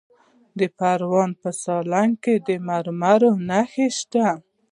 د پروان په سالنګ کې د مرمرو نښې شته.